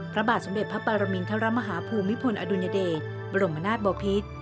พระบาทสมเด็จพระปรมินทรมาฮาภูมิพลอดุญเดชบรมนาศบอพิษ